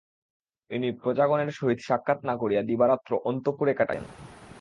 ইনি প্রজাগণের সহিত সাক্ষাৎ না করিয়া দিবারাত্র অন্তঃপুরে কাটাইতেন।